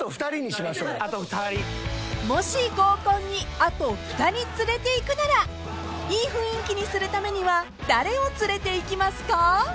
［もし合コンにあと２人連れていくならいい雰囲気にするためには誰を連れていきますか？］